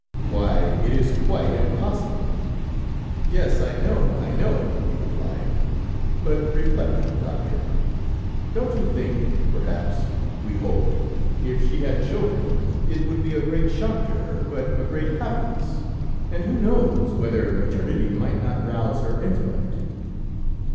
Why, it is quite impossible!' "'Yes, I know, I know,' he replied.... 'But reflect, Doctor ... don't you think ... perhaps ... we hoped ... if she had children ... it would be a great shock to her, but a great happiness, and ... who knows whether maternity might not rouse her intellect...?'